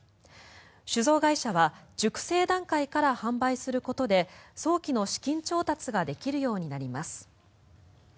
酒造会社は熟成段階から販売することで早期の資金調達ができるようになります。